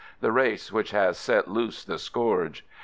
— the race which has set loose the scourge.